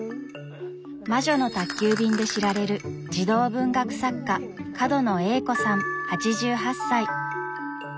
「魔女の宅急便」で知られる児童文学作家角野栄子さん８８歳。